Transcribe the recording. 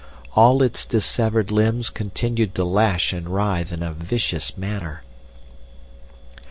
All its dissevered limbs continued to lash and writhe in a vicious manner.